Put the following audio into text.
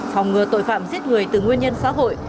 phòng ngừa tội phạm giết người từ nguyên nhân xã hội